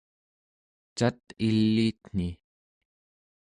cat iliitni